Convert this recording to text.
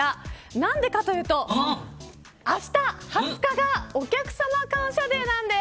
何でかというとあした、２０日がお客様感謝デーなんです。